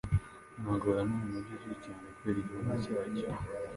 Nagoya numujyi uzwi cyane kubera igihome cyacyo.